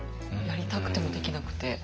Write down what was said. やりたくてもできなくて。